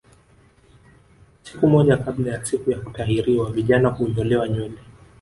Siku moja kabla ya siku ya kutahiriwa vijana hunyolewa nywele